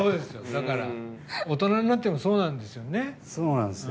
だから、大人になってもそうなんですよね。